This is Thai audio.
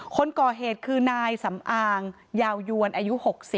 คนก่อเหตุคือนายสำอางยาวยวนอายุ๖๐